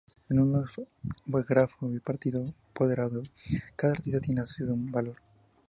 En un grafo bipartito ponderado, cada arista tiene asociado un valor.